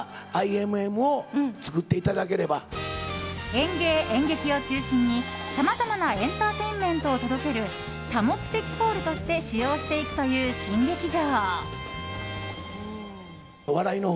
演芸、演劇を中心にさまざまなエンターテインメントを届ける多目的ホールとして使用していくという新劇場。